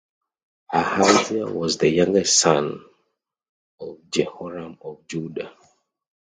Ahaziah was the youngest son of Jehoram of Judah.